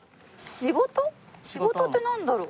仕事ってなんだろう？